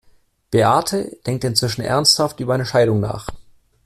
Beate denkt inzwischen ernsthaft über eine Scheidung nach.